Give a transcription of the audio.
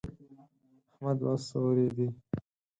احمد وسورېدی.